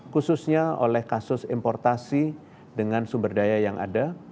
khususnya oleh kasus importasi dengan sumber daya yang ada